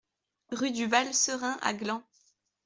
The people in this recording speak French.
Rue du Val Serein à Gland